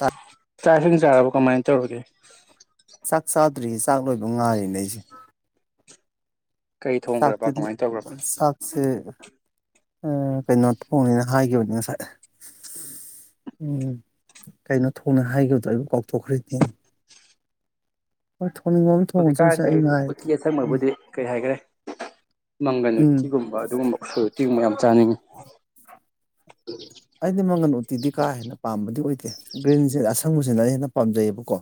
ꯆꯥꯛ ꯆꯥꯛꯁꯤꯡ ꯆꯥꯔꯕꯣ ꯀꯃꯥꯏꯅ ꯇꯧꯔꯒꯦ ꯆꯥꯛ ꯆꯥꯗ꯭ꯔꯤ ꯆꯥꯛ ꯂꯣꯏꯕ ꯉꯥꯢꯔꯤꯅꯦ ꯑꯩꯁꯦ ꯀꯩ ꯊꯣꯡꯈ꯭ꯔꯕ ꯆꯥꯛꯇꯗꯤ ꯀꯃꯥꯏꯅ ꯇꯧꯈ꯭ꯔꯕ ꯆꯥꯛꯁꯦ ꯎꯪ ꯀꯩꯅꯣ ꯊꯣꯡꯅꯤꯅ ꯍꯥꯏꯈꯤꯕꯅꯤ ꯉꯁꯥꯏ ꯎꯝ ꯀꯩꯅꯣ ꯊꯣꯡꯅꯤ ꯍꯥꯏꯈꯤꯕꯗꯣ ꯑꯩꯕꯨ ꯀꯥꯎꯊꯣꯛꯈ꯭꯭ꯔꯦ [inaudible] ꯊꯣꯡꯉꯁꯨꯁꯦ ꯍꯧꯖꯤꯛꯀꯥꯟꯁꯦ ꯑꯩ ꯉꯥꯏꯔꯒꯦ ꯎꯇꯤ ꯎꯝ ꯑꯁꯪꯕꯕꯨꯗꯤ ꯀꯩ ꯍꯥꯏꯈ꯭ꯔꯦ ꯃꯪꯒꯟ ꯎꯝ ꯎꯇꯤꯒꯨꯝꯕ ꯑꯗꯨꯒꯨꯝꯕ ꯁꯨ ꯇꯤꯡꯕ ꯌꯥꯝ ꯆꯥꯅꯤꯡꯉꯤ ꯑꯩꯗꯤ ꯃꯪꯒꯟ ꯎꯇꯤꯗꯤ ꯀꯥ ꯍꯦꯟꯅ ꯄꯥꯝꯕꯗꯤ ꯑꯣꯏꯗꯦ ꯒ꯭ꯔꯤꯟꯁꯤ ꯑꯁꯪꯕꯁꯤꯅ ꯑꯩꯅ ꯍꯦ ꯄꯥꯝꯖꯩꯌꯦꯕꯀꯣ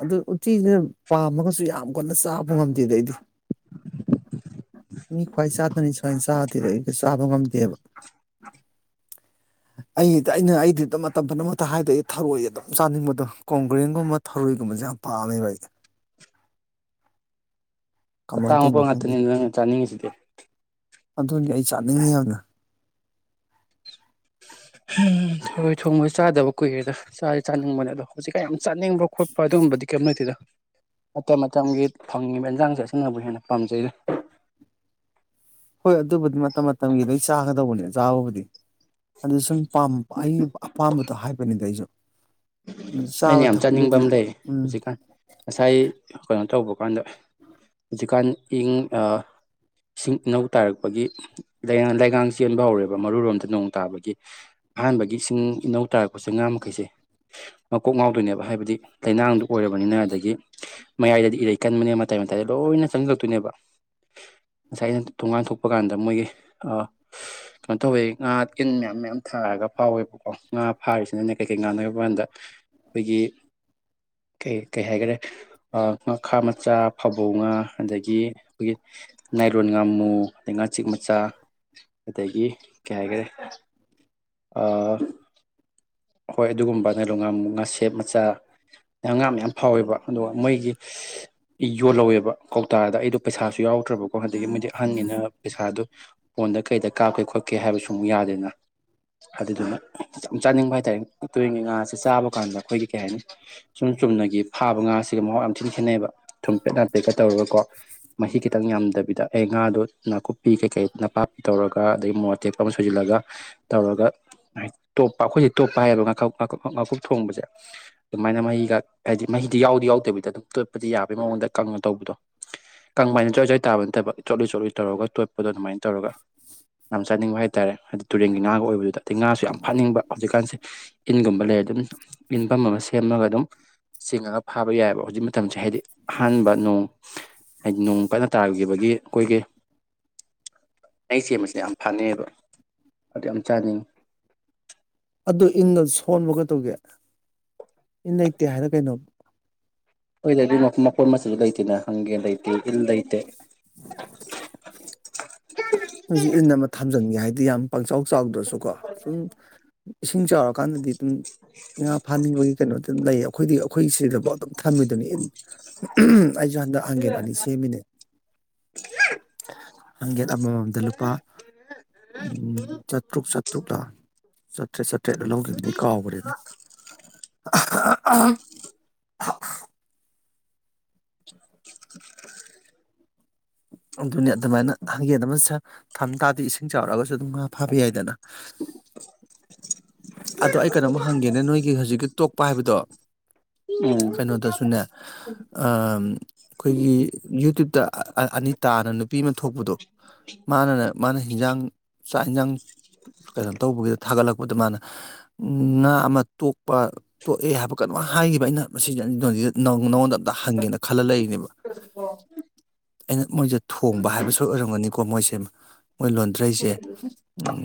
ꯑꯗꯨ ꯎꯇꯤꯁꯤꯅ ꯄꯥꯝꯃꯒꯁꯨ ꯌꯥꯝ ꯀꯟꯅ ꯆꯥꯕ ꯉꯝꯗꯦꯗ ꯑꯩꯗꯤ ꯃꯤ ꯈ꯭ꯋꯥꯏ ꯆꯥꯗꯅꯤ ꯁꯨꯃꯥꯏꯅ ꯆꯥꯗꯦꯕ ꯑꯩ ꯆꯥꯕ ꯉꯝꯗꯦꯕ ꯑꯩꯗꯤ ꯑꯩꯅ ꯑꯩꯗꯤ ꯑꯗꯨ ꯃꯇꯝ ꯄꯨꯝꯅꯃꯛꯇ ꯍꯥꯏꯗ ꯑꯩ ꯊꯔꯣꯏ ꯑꯗꯨꯝ ꯆꯥꯅꯤꯡꯕꯗꯣ ꯀꯣꯡꯒ꯭ꯔꯦꯟꯒꯨꯝꯕ ꯊꯔꯣꯏꯒꯨꯝꯕꯁꯦ ꯌꯥꯝ ꯄꯥꯝꯃꯦꯕ ꯑꯩ ꯀꯃꯥꯏꯅ ꯑꯇꯥꯡꯕ ꯇꯧꯔꯤꯅꯣ ꯈꯪꯗꯦ ꯉꯥꯛꯇꯅꯤ ꯅꯪ ꯆꯥꯅꯤꯡꯉꯤꯁꯤꯗꯤ ꯑꯗꯨꯅꯤ ꯑꯩ ꯆꯥꯅꯤꯡꯉꯤ ꯌꯥꯝꯅ ꯎꯝ ꯊꯔꯣꯏ ꯊꯣꯡꯕ ꯆꯥꯗꯕ ꯀꯨꯏꯔꯦꯗ ꯆꯥꯗꯤ ꯆꯥꯅꯤꯡꯕꯅꯦ ꯑꯗꯣ ꯍꯧꯖꯤꯛ ꯀꯌꯥꯝ ꯆꯥꯅꯤꯡꯕ ꯈꯣꯠꯄ ꯑꯗꯨꯒꯨꯝꯕꯗꯤ ꯀꯦꯝ ꯂꯩꯇꯦꯗ ꯃꯇꯝ ꯃꯇꯝꯒꯤ ꯐꯪꯉꯤꯕ ꯏꯟꯁꯥꯡꯁꯦ ꯑꯁꯤꯅꯕꯨ ꯍꯦꯟꯅ ꯄꯥꯝꯖꯩꯗ ꯍꯣꯏ ꯑꯗꯨꯕꯨꯗꯤ ꯃꯇꯝ ꯃꯇꯝꯒꯤ ꯂꯣꯢ ꯆꯥꯒꯗꯧꯕꯅꯦ ꯆꯥꯕꯕꯨꯗꯤ ꯑꯗꯨ ꯁꯨꯝ ꯄꯥꯝ ꯑꯩ ꯑꯄꯥꯝꯕꯗꯣ ꯍꯥꯏꯕꯅꯤꯗ ꯑꯩꯁꯨ ꯆꯥꯕ ꯑꯩꯅ ꯌꯥꯝ ꯆꯥꯅꯤꯡꯕ ꯊꯛꯄꯒꯤꯗꯤ ꯑꯃ ꯂꯩ ꯎꯝ ꯍꯧꯖꯤꯛꯀꯥꯟ ꯉꯁꯥꯏ ꯀꯩꯅꯣ ꯇꯧꯕ ꯍꯧꯀꯥꯟꯗ ꯍꯧꯖꯤꯛꯀꯥꯟ ꯏꯪ ꯑꯥ ꯏꯁꯤꯡ ꯏꯅꯧ ꯇꯥꯔꯛꯄꯒꯤ ꯂꯩꯉꯥꯡ ꯆꯦꯟꯕ ꯍꯧꯔꯦꯕ ꯃꯔꯨꯔꯣꯝꯗ ꯅꯣꯡ ꯇꯥꯕꯒꯤ ꯑꯍꯥꯟꯕꯒꯤ ꯏꯁꯤꯡ ꯏꯅꯧ ꯇꯥꯔꯛꯄꯁꯦ ꯉꯥ ꯃꯈꯩꯁꯦ ꯃꯀꯣꯛ ꯉꯥꯎꯗꯣꯏꯅꯦꯕ ꯍꯥꯏꯕꯗꯤ ꯂꯩꯥꯅꯥꯡꯗꯨ ꯑꯣꯏꯔꯕꯅꯤꯅ ꯑꯗꯒꯤ ꯃꯌꯥꯏꯗꯗꯤ ꯏꯔꯩ ꯀꯟꯕꯅꯤꯅ ꯃꯇꯥꯏ ꯃꯇꯥꯏꯗ ꯂꯣꯏꯅ ꯆꯪꯖꯜꯂꯛꯇꯣꯏꯅꯦꯕ ꯉꯁꯥꯏ ꯑꯩꯅ ꯊꯣꯡꯒꯥꯟ ꯊꯣꯛꯄ ꯀꯥꯟꯗ ꯃꯣꯏꯒꯤ ꯀꯩꯅꯣ ꯇꯧꯋꯦ ꯉꯥ ꯏꯟ ꯃꯌꯥꯝ ꯃꯌꯥꯝ ꯊꯥꯔꯒ ꯐꯥꯎꯋꯦꯕꯀꯣ ꯉꯥ ꯐꯥꯔꯤꯁꯤꯅꯅꯦ ꯀꯩ ꯀꯩ ꯉꯥꯅ ꯀꯥꯟꯗ ꯑꯩꯈꯣꯏꯒꯤ ꯀꯩ ꯀꯩ ꯍꯥꯏꯒ꯭ꯔꯦ ꯉꯈꯥ ꯃꯆꯥ ꯐꯕꯧ ꯉꯥ ꯑꯗꯒꯤ ꯑꯩꯈꯣꯏꯒꯤ ꯅꯥꯏꯔꯣꯟ ꯉꯥꯃꯨ ꯑꯗꯩ ꯉꯥꯆꯤꯛ ꯃꯆꯥ ꯑꯗꯒꯤ ꯀꯩ ꯍꯥꯏꯒ꯭ꯔꯦ ꯑꯥ ꯍꯣꯏ ꯑꯗꯨꯒꯨꯝꯕ ꯅꯩꯅꯣꯟ ꯉꯥꯃꯨ, ꯉꯥꯁꯦꯞ ꯃꯆꯥ, ꯉꯥ ꯃꯌꯥꯝ ꯐꯥꯎꯋꯦꯕ ꯑꯗꯨꯒ ꯃꯣꯏꯒꯤ ꯌꯣꯜꯍꯧꯋꯦꯕ ꯀꯧꯇꯥꯗ ꯑꯩꯗꯣ ꯄꯩꯁꯥꯁꯨ ꯌꯥꯎꯗ꯭ꯔꯕꯀꯣ ꯑꯗꯒꯤ ꯃꯣꯏꯗꯤ ꯑꯍꯟꯅꯤꯅ ꯄꯩꯁꯥꯗꯨ ꯐꯣꯟꯗ ꯀꯩꯗ ꯀꯥꯞꯀꯦ ꯈꯣꯠꯀꯦ ꯍꯥꯏꯕꯁꯨ ꯑꯃꯨꯛ ꯌꯥꯗꯦꯅ ꯑꯗꯨꯗꯨꯅ ꯌꯥꯝ ꯆꯥꯅꯤꯡꯕ ꯍꯥꯏ ꯇꯥꯏ ꯇꯨꯔꯦꯟꯒꯤ ꯉꯥꯥꯁꯤ ꯆꯥꯕ ꯀꯥꯟꯗ ꯑꯩꯈꯣꯏꯒꯤ ꯀꯩ ꯍꯥꯏꯅꯤ ꯁꯨꯝ ꯆꯨꯝꯅꯒꯤ ꯐꯥꯕ ꯉꯥꯁꯤꯒ ꯃꯍꯥꯎ ꯌꯥꯝ ꯊꯤꯅ ꯈꯦꯠꯅꯩꯑꯕ ꯊꯨꯝꯄꯦꯠ ꯂꯥꯄꯦꯠꯀ ꯇꯧꯔꯒꯀꯣ ꯃꯍꯤ ꯈꯤꯇꯪ ꯌꯥꯝꯗꯕꯤꯗ ꯑꯦ ꯉꯥꯗꯣ ꯅꯥꯀꯨꯞꯄꯤ ꯀꯩꯀꯩ ꯅꯄꯥꯛꯄꯤ ꯇꯧꯔꯒ ꯑꯗꯒꯤ ꯃꯣꯔꯣꯛ ꯑꯇꯦꯛꯄ ꯑꯃ ꯁꯣꯏꯖꯤꯜꯂꯒ ꯇꯧꯔꯒ ꯇꯣꯞꯄ ꯑꯩꯈꯣꯏ ꯇꯣꯞꯄ ꯍꯥꯏꯌꯦꯕ ꯉꯥꯈ ꯉꯥꯀꯨꯞ ꯉꯥꯀꯨꯞ ꯊꯣꯡꯕꯁꯦ ꯑꯗꯨꯃꯥꯏꯅ ꯃꯍꯤꯒ ꯍꯥꯏꯗꯤ ꯃꯍꯤꯗꯤ ꯌꯥꯎꯗꯤ ꯌꯥꯎꯗꯕꯤꯗ ꯑꯗꯨꯝ ꯇꯣꯠꯄꯗꯤ ꯌꯥꯕꯩ ꯃꯑꯣꯡꯗ ꯀꯪꯅ ꯇꯧꯕꯤꯗꯣ ꯀꯪꯕ ꯍꯥꯏꯅ ꯖ꯭ꯋꯥꯏ ꯖ꯭ꯋꯥꯏ ꯇꯥꯕ ꯅꯠꯇꯕ ꯆꯣꯠꯂꯤ ꯆꯣꯠꯂꯤ ꯇꯧꯔꯒ ꯇꯣꯠ ꯗꯣ ꯑꯗꯨꯃꯥꯏꯅ ꯇꯧꯔꯒ ꯌꯥꯝꯝ ꯆꯥꯅꯤꯡꯕ ꯍꯥꯏꯇꯥꯔꯦ ꯍꯥꯏꯗꯤ ꯇꯨꯔꯦꯟꯒꯤ ꯉꯥꯒ ꯑꯣꯏꯕꯗꯨꯗ ꯑꯗꯒꯤ ꯉꯥꯁꯨ ꯌꯥꯝ ꯐꯥꯅꯤꯡꯕ ꯀꯥꯟꯁꯦ ꯏꯟꯒꯨꯝꯕ ꯂꯩ ꯑꯗꯨꯝ ꯏꯟꯐꯝ ꯑꯃ ꯁ ꯁꯦꯝꯃꯒ ꯑꯗꯨꯝ ꯆꯤꯡꯉꯒ ꯐꯥꯕ ꯌꯥꯏꯌꯦꯕ ꯍꯧꯖꯤꯛ ꯃꯇꯝꯁꯦ ꯍꯥꯏꯗꯤ ꯑꯍꯥꯟꯕ ꯅꯣꯡ ꯍꯥꯏꯗꯤ ꯅꯣꯡ ꯀꯟꯅ ꯇꯥꯈꯤꯕꯒꯤ ꯑꯩꯈꯣꯏꯒꯤ ꯑꯩꯆ ꯁꯦꯝꯕꯁꯤꯅ ꯌꯥꯝ ꯐꯥꯅꯩꯌꯦꯕ ꯑꯗꯨ ꯌꯥꯝ ꯆꯥꯅꯤꯡꯉꯤ ꯑꯗꯨ ꯏꯟꯗꯣ ꯁꯣꯟꯕ ꯀꯩꯗꯧꯒꯦ ꯏꯟ ꯂꯩꯇꯦ ꯍꯥꯏꯔ ꯀꯩꯅꯣ ꯍꯣꯏꯗ ꯑꯗꯨ ꯃꯄꯣꯠ ꯃꯆꯩꯁꯨ ꯂꯩꯇꯦꯅ ꯍꯪꯒꯦ ꯂꯩꯇꯦ ꯏꯜ ꯂꯩꯇꯦ ꯃꯣꯏꯁꯨ ꯏꯟ ꯑꯃ ꯊꯝꯖꯟꯒꯦ ꯍꯥꯏꯗ ꯗꯤ ꯌꯝ ꯄꯪꯆꯥꯎ ꯆꯥꯎꯗ꯭ꯔꯁꯨꯀꯣ ꯁꯨꯝ ꯏꯁꯤꯡ ꯆꯥꯎꯔ ꯀꯥꯟꯗꯗꯤ ꯑꯗꯨꯝ ꯉꯥ ꯐꯥꯅꯤꯡꯕꯒꯤ ꯀꯩꯅꯣ ꯑꯗꯨꯝ ꯂꯩ ꯑꯩꯈꯣꯏꯗꯤ ꯑꯩꯈꯣꯏ ꯁꯤꯗꯐꯥꯎ ꯑꯗꯨꯝ ꯊꯝꯃꯤꯗꯨꯅꯤ ꯢꯟ ꯎꯝ ꯑꯩꯁꯨ ꯍꯟꯗꯛ ꯍꯥꯡꯒꯦꯟ ꯑꯅꯤ ꯁꯦꯝꯃꯤꯅꯦ ꯍꯪꯒꯦꯟ ꯑꯃꯃꯝꯗ ꯂꯨꯄꯥ ꯆꯥꯇ꯭ꯔꯨꯛ ꯆꯥꯇ꯭ꯔꯨꯛ ꯂ ꯆꯥꯇ꯭ꯔꯦꯠ ꯆꯠ ꯇ꯭ꯔꯦꯠꯂ ꯂꯧꯒꯤꯝꯅꯤ ꯀꯥꯎꯒ꯭ꯔꯦꯗ [inaudible] ꯑꯗꯨꯅꯤ ꯑꯗꯨꯃꯥꯏꯅ ꯍꯪꯒꯦꯟ ꯑꯃ ꯆ ꯊꯝ ꯇꯥꯗꯤ ꯏꯁꯤꯡ ꯆꯥꯎꯔꯛꯑꯒꯁꯨ ꯑꯗꯨꯝ ꯉꯥ ꯐꯥꯕ ꯌꯥꯏꯗꯅ ꯑꯗꯣ ꯑꯩ ꯀꯩꯅꯣꯝꯃ ꯍꯪꯒꯦꯅꯦ ꯅꯣꯏꯒꯤ ꯍꯧꯖꯤꯛꯀꯤ ꯇꯨꯞ ꯄꯥꯢꯕꯗꯣ ꯎꯝ ꯀꯩꯅꯣꯗꯁꯨꯅꯦ ꯑꯥꯝ ꯑꯩꯈꯣꯏꯒꯤ ꯌꯨꯇ꯭ꯌꯨꯨꯞ ꯇꯥ ꯑꯅꯤꯇꯥꯅ ꯅꯨ ꯄꯤ ꯑꯃ ꯊꯣꯛꯄꯗꯣ ꯃꯥꯅꯅ ꯃꯥꯅ ꯍꯤꯟꯖꯥꯡ ꯆꯥꯛ ꯌꯦꯟꯁꯥꯡ ꯀꯩꯅꯣ ꯇꯧꯕꯒꯤꯗ ꯊꯥꯒꯠꯂꯛꯄꯗꯣ ꯃꯥꯅ ꯉꯥ ꯑꯃ ꯇꯣꯛꯄ ꯇꯣꯛꯑꯦ ꯍꯥꯏꯕ ꯀꯩꯅꯣꯝ ꯍꯥꯏꯈꯤꯕ ꯑꯩꯅ ꯃꯁꯤ ꯑꯅꯤꯒ ꯅ ꯅ ꯅꯉꯣꯟꯗ ꯑꯝꯇ ꯍꯪꯒꯦꯅ ꯈꯜꯂ ꯂꯩ ꯅꯦꯕ ꯑꯩꯅ ꯃꯣꯏꯁꯦ ꯊꯣꯡꯕ ꯍꯥꯏꯕꯁꯨ ꯑꯣꯏꯔꯝꯒꯅꯤꯀꯣ ꯀꯣ ꯃꯣꯏꯁꯦ ꯃꯣꯏ ꯂꯣꯟꯊ꯭ꯔꯩꯁꯦ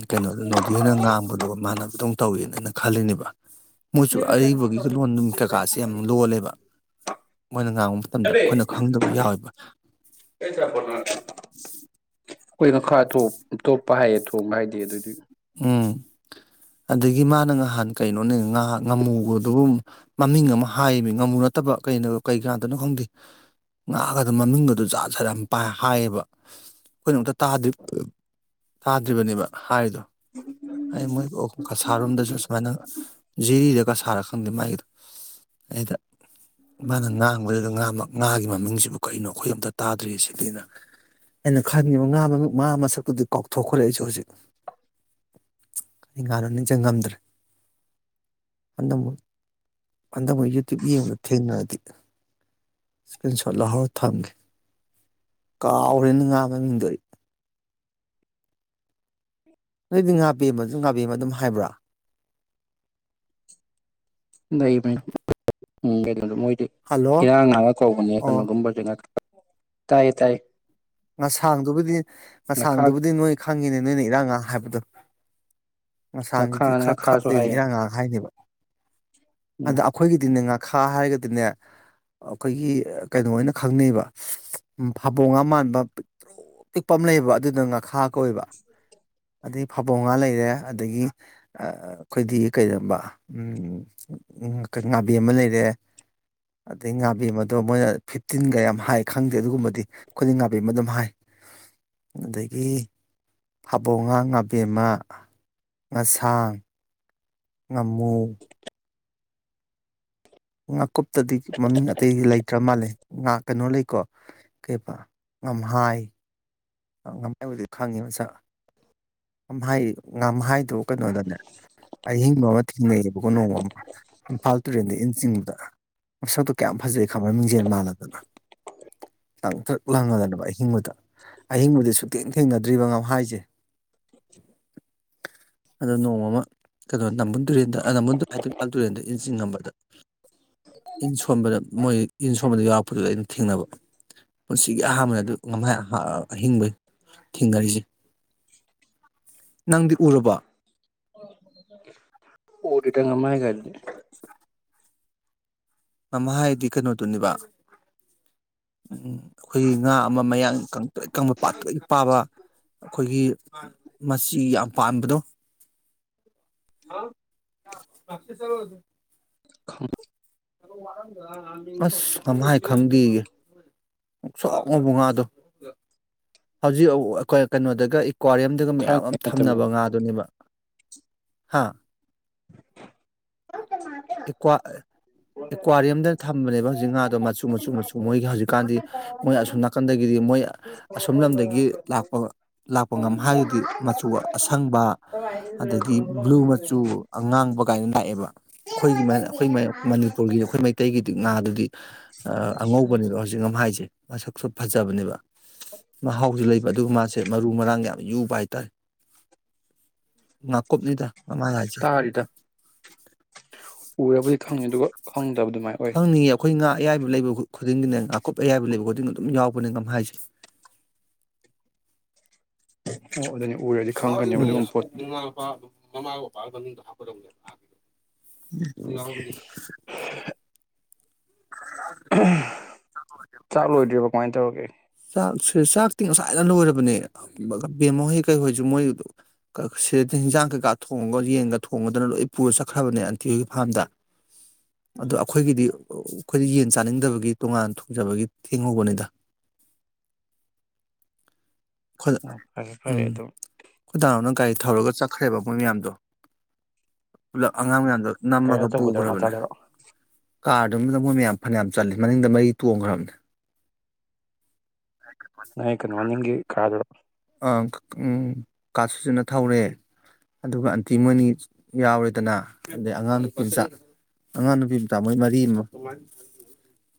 ꯀꯩꯅꯣꯗ ꯅꯣꯗꯤꯍꯣꯏꯅ ꯉꯥꯡꯕꯗꯨꯒ ꯃꯥꯥꯟꯅ ꯑꯗꯨꯝ ꯇꯧꯋꯦꯅ ꯑꯩꯅ ꯈꯜꯂꯤꯅꯦꯕ ꯃꯣꯏꯁꯨ ꯑꯔꯤꯕꯒꯤ ꯂꯣꯟ ꯅꯨꯡ ꯀꯩꯀꯥꯁꯦ ꯌꯥꯝ ꯂꯣꯜꯂꯦꯕ ꯃꯣꯏꯅ ꯉꯥꯡꯕ ꯃꯇꯝꯗ ꯑꯩꯈꯣꯏꯅ ꯈꯪꯗꯕ ꯌꯥꯎꯋꯦꯕ ꯑꯩꯈꯣꯏꯅ ꯈꯥ ꯇꯣ ꯇꯣꯞꯄ ꯍꯥꯏꯌꯦ ꯊꯣꯡꯕ ꯍꯥꯏꯗꯤ ꯑꯗꯨꯗꯨꯏ ꯎꯝ ꯑꯗꯒꯤ ꯃꯥꯅ ꯅꯍꯥꯟ ꯀꯩꯅꯣꯅꯦ ꯉꯥ ꯉꯥꯃꯨꯒꯗꯨꯕꯨ ꯃꯃꯤꯡ ꯑꯃ ꯍꯥꯏꯌꯦꯃꯤ ꯉꯥꯃꯨ ꯅꯠꯇꯕ ꯀꯩꯅꯣ ꯀꯩꯉꯥꯗꯅꯣ ꯈꯪꯗꯦ ꯉꯥꯒꯗꯣ ꯃꯃꯤꯡꯒꯗꯣ ꯖꯥꯠ ꯖꯥꯠ ꯌꯥꯝ ꯄꯥ ꯍꯥꯏꯌꯦꯕ ꯑꯩꯈꯣꯏꯅꯣꯝꯇ ꯇꯥꯗꯤ ꯇꯥꯗ꯭ꯔꯤꯕꯅꯦꯕ ꯍꯥꯏꯗꯣ ꯑꯩ ꯃꯣꯏ ꯑꯣꯛ ꯀꯁꯥꯔꯔꯣꯝꯗꯁꯨ ꯁꯨꯃꯥꯏꯅ ꯖꯤꯔꯤꯔ ꯀꯁꯥꯔꯔ ꯈꯪꯗꯦ ꯃꯥꯒꯤꯗꯣ ꯑꯩꯗ ꯃꯥꯅ ꯉꯥꯡꯕꯗꯨꯗ ꯉꯥꯃ ꯉꯥꯒꯤ ꯃꯃꯤꯡꯁꯤꯕꯨ ꯀꯩꯅꯣ ꯑꯩꯈꯣꯏ ꯑꯝꯇ ꯇꯥꯗ꯭ꯔꯤꯌꯦ ꯁꯤꯗꯤꯅ ꯑꯩꯅ ꯈꯟꯈꯤꯕ ꯉꯥ ꯃꯃꯤꯡ ꯉꯥ ꯃꯁꯛꯇꯨꯗꯤ ꯀꯥꯎꯊꯣꯛꯈ꯭ꯔꯦ ꯑꯩꯁꯨ ꯍꯖꯤꯛ ꯀꯔꯤ ꯉꯥꯅꯣ ꯅꯤꯡꯁꯪ ꯉꯝꯗ꯭ꯔꯦ ꯍꯟꯗꯛꯃꯨꯛ ꯍꯟꯗꯛ ꯑꯃꯨꯛ ꯌꯨꯇ꯭ꯌꯨꯕ ꯌꯦꯡꯕꯗ ꯊꯦꯡꯅꯔꯗꯤ ꯁꯀ꯭ꯔꯤꯟ ꯁꯣꯠ ꯂꯧꯍꯧꯔ ꯊꯝꯒꯦ ꯀꯥꯎꯔꯦꯅꯦ ꯉꯥ ꯃꯃꯤꯡꯗꯣ ꯑꯩ ꯅꯣꯏꯗꯤ ꯉꯥ ꯄꯦꯝꯃꯥꯖꯨ ꯉꯥꯕꯦꯝꯃ ꯑꯗꯨꯝ ꯍꯥꯏꯕ꯭ꯔ ꯂꯩ ꯚꯥꯢ ꯎꯝ ꯀꯣ ꯃꯣꯏꯗꯤ ꯍꯜꯂꯣ ꯏꯔꯥꯡ ꯉꯥꯒ ꯀꯧꯕꯅꯦ ꯑꯣ ꯀꯩꯅꯣꯒꯨꯝꯕꯁꯦ ꯉ ꯇꯥꯏꯌꯦ ꯇꯥꯏꯌꯦ ꯉꯁꯥꯡꯗꯨꯕꯨꯗꯤ ꯉꯈꯥ ꯉꯁꯥꯡꯗꯨꯕꯨꯗꯤ ꯅꯣꯏ ꯈꯪꯉꯤꯅꯦ ꯅꯣꯏꯅ ꯏꯔꯥꯡ ꯉꯥ ꯍꯥꯏꯕꯗꯣ ꯉꯈꯥ ꯉꯁꯥꯡꯖꯤꯗꯤ ꯈꯔ ꯉꯈꯥꯁꯨ ꯈꯠꯂꯦꯅ ꯍꯥꯏꯌꯦ ꯏꯔꯥꯡ ꯉꯥ ꯍꯥꯏꯅꯦꯕ ꯎꯝ ꯑꯗ ꯑꯈꯣꯏꯒꯤꯗꯤꯅꯦ ꯉꯥ ꯈꯥ ꯍꯥꯏꯔꯒꯗꯤꯅꯦ ꯑꯈꯣꯏꯒꯤ ꯀꯩꯅꯣ ꯑꯣꯏꯅ ꯈꯪꯅꯩꯕ ꯎꯝ ꯐꯥꯕꯣꯡꯉꯥ ꯃꯥꯟꯕ ꯄꯤꯛꯇ꯭ꯔꯨ ꯄꯤꯛꯄ ꯑꯃ ꯂꯩꯕ ꯑꯗꯨꯅ ꯉꯥꯈꯥ ꯀꯧꯌꯦꯕ ꯑꯗꯩ ꯐꯥꯕꯣꯡꯉꯥ ꯂꯩꯔꯦ ꯑꯗꯒꯤ ꯈꯣꯏꯗꯤ ꯀꯩꯔꯕ ꯉꯥꯕꯦꯝꯃ ꯂꯩꯔꯦ ꯑꯗꯩ ꯉꯥꯕꯦꯝꯃ ꯗꯣ ꯃꯣꯏꯅ ꯇꯤꯟꯒ ꯌꯥꯝ ꯍꯥꯏ ꯈꯪꯗꯦ ꯑꯗꯨꯒꯨꯝꯕꯗꯤ ꯈꯨꯗꯤ ꯉꯥꯕꯦꯝꯃ ꯑꯗꯨꯝ ꯍꯥꯏ ꯑꯗꯒꯤ ꯐꯥꯕꯣꯡꯉꯥ ꯉꯥꯕꯦꯝꯃꯥ ꯉꯁꯥꯡ ꯉꯥꯃꯨ ꯉꯥꯀꯨꯞ ꯇꯗꯤ ꯃꯃꯤꯡ ꯑꯇꯩ ꯂꯩ ꯇ꯭ꯔ ꯃꯥꯜꯂꯦ ꯉꯥꯥ ꯀꯩꯅꯣ ꯂꯩꯀꯣ ꯀꯩꯕ ꯉꯝꯍꯥꯏ ꯉꯝꯍꯥꯏꯕꯨꯗꯤ ꯈꯪꯉꯤ ꯃꯁꯛ ꯉꯝꯍꯥꯏ ꯉꯝꯍꯥꯏꯗꯣ ꯀꯩꯅꯣꯗꯅꯦ ꯑꯍꯤꯡꯕ ꯑꯃ ꯊꯦꯡꯅꯩꯌꯦꯕꯀꯣ ꯅꯣꯡꯃ ꯑꯃ ꯏꯝꯐꯥꯜ ꯇꯨꯔꯦꯟꯗ ꯏꯟ ꯆꯤꯡꯕꯗ ꯃꯁꯛꯇꯣ ꯀꯌꯥꯝ ꯐꯖꯩ ꯈꯪꯕ꯭ꯔ ꯃꯤꯡꯖꯦꯜ ꯃꯥꯜꯂꯗꯅ ꯂꯪꯇ꯭ꯔꯤꯛ ꯂꯪꯉꯗꯅ ꯑꯍꯤꯡꯕꯗ ꯑꯍꯤꯡꯕꯗꯤ ꯁꯨꯛꯊꯦꯡ ꯊꯦꯡꯅꯗ꯭ꯔꯤꯕ ꯉꯝꯍꯥꯏꯖꯦ ꯑꯗꯣ ꯅꯣꯡꯃꯃ ꯀꯅꯣ ꯅꯝꯕꯨꯜ ꯇꯨꯔꯦꯜꯗ ꯅꯝꯕꯨꯜ ꯇꯨꯔꯦꯜ ꯍꯥꯏꯗꯦ ꯏꯝꯐꯥꯜ ꯇꯨꯔꯦꯜꯗ ꯏꯟ ꯆꯤꯡꯉꯝꯕꯗ ꯏꯟ ꯁꯣꯟꯕꯗ ꯃꯣꯏ ꯏꯟ ꯁꯣꯟꯕꯗ ꯌꯥꯎꯔꯛꯄꯗꯨꯗ ꯑꯩꯅ ꯊꯦꯡꯅꯕ ꯄꯨꯟꯁꯤꯒꯤ ꯑꯍꯥꯟꯕꯅꯦ ꯑꯗꯨ ꯉꯝꯍꯥꯏ ꯑ ꯑꯍꯤꯡꯕꯩ ꯊꯦꯡꯅꯔꯤꯖꯦ ꯅꯪꯗꯤ ꯎꯔꯕꯣ ꯎꯗ꯭ꯔꯤꯗ ꯉꯝꯍꯥꯏꯒꯗꯨꯗꯤ ꯉꯝꯍꯥꯏꯗꯤ ꯀꯅꯣꯗꯨꯅꯦꯕ ꯈꯣꯏꯒꯤ ꯉꯥ ꯑꯃ ꯃꯌꯥꯡ ꯀꯪ ꯇ꯭ꯔꯤꯛ ꯀꯪꯕ ꯄꯥꯇ꯭ꯔꯤꯛ ꯄꯥꯕ ꯈꯣꯏꯒꯤ ꯃꯆꯤ ꯌꯥꯝ ꯄꯥꯟꯕꯗꯣ ꯈꯪ ꯑꯁ ꯉꯝꯍꯥꯏ ꯈꯪꯗꯦꯌꯦ ꯉꯧꯁꯣꯛ ꯉꯧꯕ ꯉꯥꯗꯣ ꯍꯧꯖꯤꯛ ꯑ ꯀꯩꯅꯣꯗꯒ ꯀ꯭ꯋꯥꯔꯤꯌꯝꯗꯒ ꯃꯌꯥꯝ ꯑꯝ ꯊꯥꯏꯅꯉꯩ ꯃꯇꯝꯗ ꯊꯝꯅꯕ ꯉꯥꯗꯨꯅꯦꯕ ꯍꯥꯥ ꯑꯦꯀ꯭ꯋꯥ ꯑꯦꯀ꯭ꯋꯥꯔꯤꯌꯝꯗ ꯊꯝꯕꯅꯦꯕ ꯍꯧꯖꯤꯛ ꯉꯥ ꯗꯣ ꯃꯆꯨ ꯃꯆꯨ ꯃꯆꯨ ꯃꯆꯨ ꯃꯣꯏꯒꯤ ꯍꯧꯖꯤꯛꯀꯥꯟꯗꯤ ꯃꯣꯏ ꯑꯁꯣꯝ ꯅꯥꯀꯟꯗꯒꯤꯗꯤ ꯃꯣꯏ ꯑꯁꯣꯝ ꯂꯝꯗꯒꯤ ꯂꯥꯛꯄ ꯂꯥꯛꯄ ꯉꯝꯍꯥꯏꯒꯗꯤ ꯃꯆꯨ ꯑꯁꯪꯕ ꯑꯗꯒꯤ ꯕ꯭ꯂꯨ ꯃꯆꯨ ꯑꯉꯥꯡꯕ ꯀꯥꯏꯅ ꯂꯥꯛ ꯑꯦꯕ ꯑꯩꯈꯣꯏꯒꯤ ꯃ ꯑꯩꯈꯣꯏ ꯃꯅꯤꯄꯨꯔꯒꯤ ꯑꯩꯈꯣꯏ ꯃꯩꯇꯩꯒꯤꯗꯤ ꯉꯥꯗꯨ ꯒꯤ ꯑ ꯑꯉꯧꯕꯅꯤꯗꯣ ꯍꯧꯖꯤꯛ ꯉꯝꯍꯥꯏꯖꯦ ꯃꯁꯛꯁꯨ ꯐꯖꯕꯅꯦꯕ ꯃꯍꯥꯎꯖꯨ ꯂꯩꯕ ꯑꯗꯨꯒ ꯃꯥꯁꯦ ꯃꯔꯨ ꯃꯔꯥꯡ ꯌꯥꯝ ꯌꯨꯕ ꯍꯥꯏꯇꯥꯔꯦ ꯉꯥꯀꯨꯞꯅꯤꯗ ꯃꯃꯥꯡꯉꯥꯏꯖ ꯇꯥꯔꯤꯗ ꯎꯔꯕꯨꯗꯤ ꯈꯪꯅꯤ ꯑꯗꯨꯒ ꯈꯪꯗꯕ ꯑꯗꯨꯃꯥꯏꯅ ꯑꯣꯏ ꯈꯪꯅꯤꯌꯦ ꯑꯩꯈꯣꯏ ꯉꯥ ꯑꯌꯥꯏꯕ ꯂꯩꯕ ꯈꯨꯗꯤꯡꯒꯤꯅꯦ ꯉꯥꯀꯨꯞ ꯑꯌꯥꯏꯕ ꯂꯩꯕ ꯈꯨꯗꯤꯡ ꯑꯗꯨꯝ ꯌꯥꯎꯕꯅꯦ ꯉꯝꯍꯥꯏꯁꯦ ꯑꯣ ꯑꯗꯨꯅꯤ ꯎꯔꯗꯤ ꯈꯪꯒꯅꯦꯕ ꯑꯗꯨꯒꯨꯝꯕ ꯄꯣꯠꯇꯨꯗꯤ ꯃꯃꯥꯒ ꯃꯄꯥꯒꯤ ꯃꯃꯤꯡꯗꯣ ꯍꯥꯞꯀꯗꯕꯅꯦꯕ ꯑꯒꯤꯗꯣ ꯌꯥꯎꯗꯗꯤ [unintelligible] [inaudible] ꯆꯥꯛ ꯂꯣꯏꯗ꯭ꯔꯤꯕꯣ ꯀꯃꯥꯏ ꯇꯧꯔꯒꯦ ꯆꯥꯛꯁꯦ ꯆꯥꯛꯇꯤ ꯉꯁꯥꯏꯅ ꯂꯣꯏꯔꯕꯅꯦ ꯕꯦꯝꯃꯍꯣꯏ ꯀꯩꯍꯣꯏꯁꯨ ꯃꯣꯏ ꯁꯤꯗ ꯍꯤꯟꯖꯥꯡ ꯀꯩꯀꯥ ꯊꯣꯡꯉꯒ ꯌꯦꯟꯒ ꯊꯣꯡꯉꯗꯅ ꯂꯣꯏ ꯄꯨꯔꯒ ꯆꯠꯈ꯭ꯔꯕꯅꯦ ꯑꯟꯇꯤꯍꯣꯏꯒꯤ ꯐꯥꯝꯗ ꯑꯗꯣ ꯑꯩꯈꯣꯏꯒꯤꯗꯤ ꯑꯩꯈꯣꯏꯗꯤ ꯌꯦꯟ ꯆꯥꯅꯤꯡꯗꯕꯒꯤ ꯇꯣꯉꯥꯟꯅ ꯊꯣꯡꯖꯕꯒꯤ ꯊꯦꯡꯍꯧꯕꯅꯤꯗ ꯑꯩꯈꯣꯏꯗ ꯑꯣ ꯐꯔꯦ ꯎꯝ ꯐꯔꯦ ꯑꯗꯨꯝ ꯑꯩꯈꯣꯏꯗ ꯅ ꯒꯥꯔꯤ ꯊꯧꯔꯒ ꯆꯠꯈ꯭ꯔꯦꯕ ꯃꯣꯏ ꯃꯌꯥꯝꯗꯣ ꯄꯨꯂꯞ ꯑꯉꯥꯡ ꯃꯌꯥꯝꯗꯣ ꯒꯥꯔꯤ ꯅꯝꯃꯒ ꯑꯆꯧꯕꯗꯔꯣ ꯄꯨꯈ꯭ꯔꯕꯅꯦ ꯃꯆꯥꯗꯔꯣ ꯀꯥꯔꯗꯨꯃꯗ ꯃꯣꯏ ꯃꯌꯥꯝ ꯐꯅꯌꯥꯝ ꯆꯜꯂꯤ ꯃꯅꯤꯡꯗ ꯃꯔꯤ ꯇꯣꯡꯈ꯭ꯔꯕꯅꯦ ꯅꯣꯏ ꯀꯩꯅꯣ ꯃꯅꯤꯡꯒꯤ ꯀꯥꯗꯨꯔꯣ ꯑ ꯑꯪꯪ ꯀꯥ ꯁꯨꯁꯤꯟꯅ ꯊꯧꯔꯦ ꯑꯗꯨꯒ ꯑꯟꯇꯤ ꯃꯣꯏꯅꯤ ꯌꯥꯎꯔꯦꯗꯅ ꯑꯗꯩ ꯑꯉꯥꯡ ꯅꯨꯄꯤ ꯃꯆꯥ ꯑꯉꯥꯡ ꯅꯨꯄꯤ ꯃꯆꯥ ꯃꯣꯏ ꯃꯔꯤ ꯑꯃ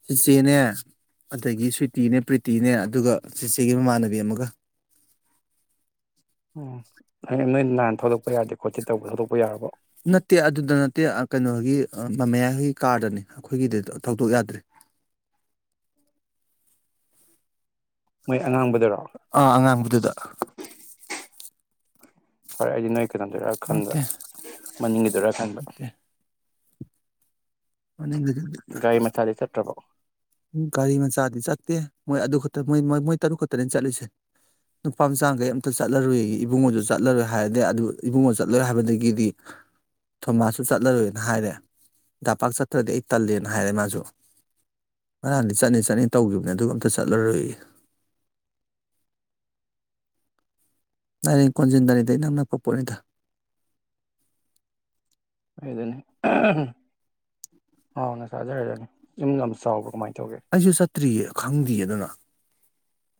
ꯆꯤꯆꯦꯅꯦ ꯑꯗꯒꯤ ꯁ꯭ꯋꯤꯇꯤꯅꯦ ꯄ꯭ꯔꯤꯇꯤꯅꯦ ꯑꯗꯨꯒ ꯆꯤꯆꯦꯒꯤ ꯃꯃꯥꯟꯅꯕꯤ ꯑꯃꯒ ꯐꯔꯦ ꯅꯣꯏ ꯅꯍꯥꯟ ꯊꯧꯗꯣꯛꯄ ꯌꯥꯗꯦ ꯈꯣꯠꯇꯦ ꯇꯧꯕꯗꯣ ꯊꯧꯗꯣꯛꯄ ꯌꯥꯔꯕꯣ ꯅꯠꯇꯦ ꯑꯗꯨꯗ ꯅꯠꯇꯦ ꯀꯩꯅꯣꯒꯤ ꯃꯃꯌꯥꯍꯣꯏꯒꯤ ꯀꯥꯔꯗꯅꯦ ꯑꯩꯈꯣꯏꯒꯤꯗꯤ ꯊꯧꯗꯣꯛ ꯌꯥꯗ꯭ꯔꯦ ꯃꯣꯏ ꯑꯉꯥꯡꯕꯗꯨꯔꯣ ꯑꯥ ꯑꯉꯥꯡꯕꯗꯨꯗ ꯐꯔꯦ ꯑꯗꯨ ꯅꯣꯏ ꯀꯩꯅꯣꯗꯨꯔꯥ ꯈꯟꯕ ꯅꯠꯇꯦ ꯃꯅꯤꯡꯒꯤꯗꯨꯔꯥ ꯈꯟꯕ ꯅꯠꯇꯦ ꯃꯅꯤꯡꯗꯨꯗ ꯒꯥꯔꯤ ꯃꯆꯥꯗꯤ ꯆꯠꯇ꯭ꯔꯕꯣ ꯒꯥꯔꯤ ꯃꯆꯥꯗꯤ ꯆꯠꯇꯦ ꯃꯣꯏ ꯑꯗꯨ ꯈꯛꯇ ꯃꯣꯏ ꯃꯣꯏ ꯃꯣꯏ ꯇꯔꯨꯛ ꯈꯛꯇꯅꯦ ꯆꯠꯂꯤꯁꯦ ꯅꯨꯄꯥ ꯃꯆꯥ ꯒꯩ ꯑꯝꯇ ꯆꯠꯂꯔꯣꯏꯌꯦ ꯏꯕꯨꯡꯉꯣꯁꯨ ꯆꯠꯂꯔꯣꯏ ꯍꯥꯏꯔꯗꯤ ꯑꯗꯨ ꯏꯕꯨꯡꯉꯣ ꯆꯠꯂꯔꯣꯏ ꯍꯥꯏꯕꯗꯒꯤꯗꯤ ꯊꯣꯃꯥꯁꯁꯨ ꯆꯠꯂꯔꯣꯏꯅ ꯍꯥꯏꯔꯦ ꯗꯥꯄꯥꯛ ꯆꯠꯇ꯭ꯔꯗꯤ ꯑꯩ ꯇꯜꯂꯦꯅ ꯍꯥꯏꯔꯦ ꯃꯥꯁꯨ ꯉꯔꯥꯟꯗꯤ ꯆꯠꯅꯤ ꯆꯠꯅꯤ ꯇꯧꯈꯤꯕꯅꯦ ꯑꯗꯨꯒ ꯑꯝꯇ ꯆꯠꯂꯔꯣꯏꯌꯦ ꯅꯥꯔꯤꯟ ꯀꯣꯟꯖꯤꯟꯗꯅꯤꯗ ꯏꯅꯛ ꯅꯛꯄ ꯄꯣꯠꯅꯤꯗ ꯑꯗꯨꯅꯤ ꯑꯍꯝ ꯍꯥꯎꯅ ꯆꯥꯖꯔꯅꯤ ꯌꯨꯝ ꯌꯥꯝ ꯆꯥꯎꯕ꯭ꯔꯣ ꯀꯃꯥꯏꯅ ꯇꯧꯒꯦ ꯑꯩꯁꯨ ꯆꯠꯇ꯭ꯔꯤꯌꯦ ꯈꯪꯗꯤꯌꯦ ꯑꯗꯨꯅ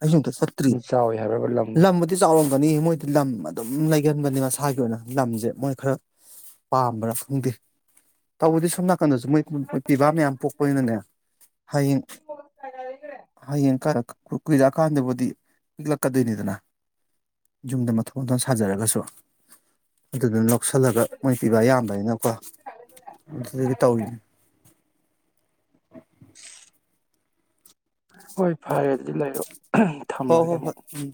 ꯑꯩꯁꯨ ꯑꯝꯇ ꯆꯠꯇ꯭ꯔꯤ ꯌꯨꯝ ꯆꯥꯎꯋꯤ ꯍꯥꯏꯕ꯭ꯔꯕ ꯂꯝꯗꯣ ꯂꯝꯕꯨꯗꯤ ꯆꯥꯎꯔꯝꯒꯅꯤ ꯃꯣꯏꯗꯤ ꯂꯝ ꯑꯗꯨꯝ ꯂꯩ ꯒꯟꯕꯅꯤ ꯃꯁꯥꯒꯤ ꯑꯣꯏꯅ ꯂꯝꯖꯦ ꯃꯣꯏ ꯈꯔ ꯄꯥꯝꯕ꯭ꯔꯥ ꯈꯪꯗꯦ ꯇꯧꯕꯗꯤ ꯁꯣꯝꯅꯄ ꯗꯁꯨ ꯃꯣꯏ ꯈꯨꯟ ꯄꯤꯕꯥ ꯃꯌꯥꯝ ꯄꯣꯛꯄꯅꯤꯅꯅꯦ ꯍꯌꯦꯡ ꯍꯌꯦꯡ ꯀꯔꯛ ꯀꯨ ꯀꯨꯏꯔꯀꯥꯟꯗꯕꯨꯗꯤ ꯄꯤꯛꯂꯛꯀꯗꯣꯏꯅꯤꯗꯅ ꯌꯨꯝꯗꯣ ꯃꯊꯣꯟ ꯃꯊꯣꯟ ꯁꯥꯖꯔꯒꯁꯨ ꯑꯗꯨꯗꯨꯅ ꯂꯧꯁꯤꯜꯂꯒ ꯃꯣꯏ ꯄꯤꯕ ꯌꯥꯝꯕꯅꯤꯅꯀꯣ ꯑꯗꯨꯒꯤ ꯇꯧꯔꯤꯅꯦ ꯍꯣꯏ ꯐꯔꯦ ꯑꯗꯨ ꯂꯩꯔꯣ ꯑꯍꯝ ꯍꯣ ꯊꯝꯃꯒꯦ ꯍꯣ ꯍꯣꯏ ꯑꯃꯨꯛ ꯎꯝ